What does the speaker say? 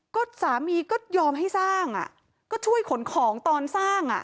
ก็สามีก็ยอมให้สร้างอ่ะก็ช่วยขนของตอนสร้างอ่ะ